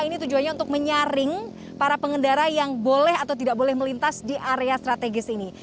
ini tujuannya untuk menyaring para pengendara yang boleh atau tidak boleh melintas di area strategis ini